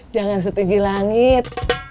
jangan setinggi langit